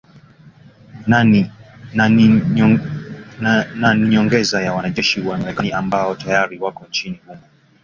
Na ni nyongeza ya wanajeshi wa Marekani ambao tayari wako nchini humo.